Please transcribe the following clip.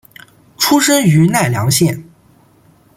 出身于奈良县。